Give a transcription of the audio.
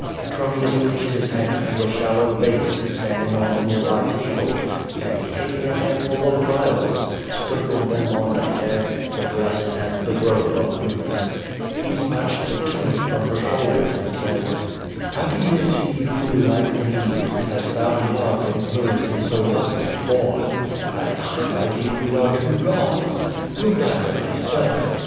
Petronius reached his hand to a shallow vase standing on the nearby table, and taking a handful of vio lets, sprinkled them on the head, the breast and the robe of Eunice. He snatched the tunic from her shoulders and said: "Happy is he who, like me, has found love enclosed in so lovely a form. At timc^ 1 deem we are two gods. Look at her thyself.